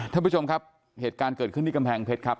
ท่านผู้ชมครับเหตุการณ์เกิดขึ้นที่กำแพงเพชรครับ